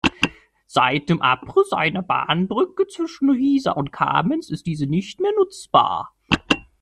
Seit dem Abriss einer Bahnbrücke zwischen Wiesa und Kamenz ist diese nicht mehr nutzbar.